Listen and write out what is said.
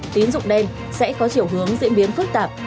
tín dụng đen sẽ có chiều hướng diễn biến phức tạp